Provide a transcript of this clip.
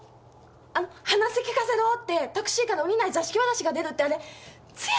あの「話聞かせろ」ってタクシーから降りない座敷わらしが出るってあれつや子さんのこと？